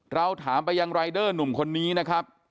เราถามไปยังรายเดอร์หนุ่มคนนี้นะครับ